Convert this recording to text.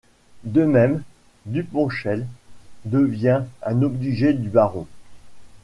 De même, Duponchel devient un obligé du baron.